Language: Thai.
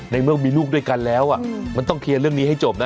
ในเมื่อมีลูกด้วยกันแล้วมันต้องเคลียร์เรื่องนี้ให้จบนะ